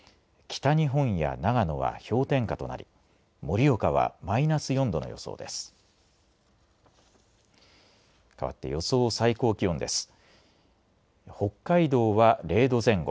北日本や長野は氷点下となり盛岡はマイナス４度の予想です。